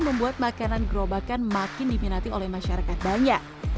membuat makanan gerobakan makin diminati oleh masyarakat banyak